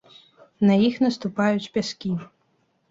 На іх наступаюць пяскі.